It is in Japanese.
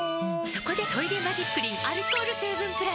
そこで「トイレマジックリン」アルコール成分プラス！